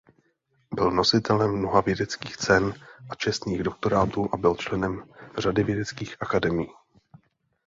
Byl nositelem mnoha vědeckých cen a čestných doktorátů a byl členem řady vědeckých akademií.